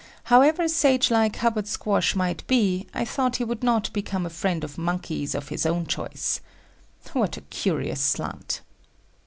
However sage like Hubbard Squash might be I thought he would not become a friend of monkeys of his own choice. What a curious slant!